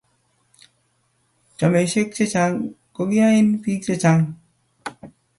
chameshek chechang kogiyae biik chechang